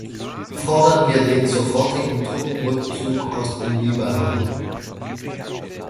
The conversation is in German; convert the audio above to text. Fordern wir den sofortigen Truppenrückzug aus dem Libanon.